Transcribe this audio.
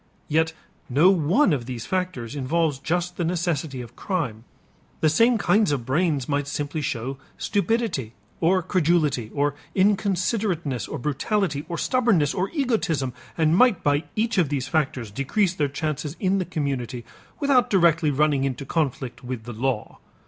Yet no one of those factors involves just the necessity of crime. The same kinds of brains might simply show stupidity or credulity or inconsiderateness or brutality or stubbornness or egotism, and might by each of those factors decrease their chances in the community without directly running into conflict with the law.